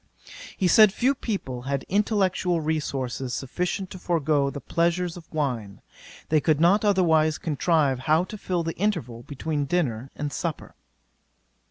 'He said few people had intellectual resources sufficient to forego the pleasures of wine. They could not otherwise contrive how to fill the interval between dinner and supper.